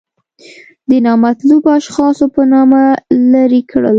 د نامطلوبو اشخاصو په نامه لرې کړل.